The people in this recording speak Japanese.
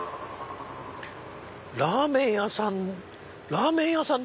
ラーメン屋さん